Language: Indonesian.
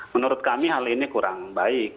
menurut kami hal ini kurang baik